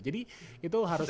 jadi itu harus